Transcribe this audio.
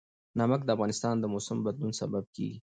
نمک د افغانستان د موسم د بدلون سبب کېږي.